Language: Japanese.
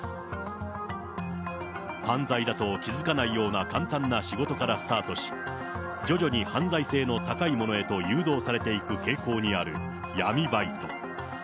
犯罪だと気付かないような簡単な仕事からスタートし、徐々に犯罪性の高いものへと誘導されていく傾向にある闇バイト。